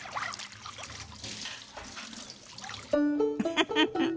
フフフフ。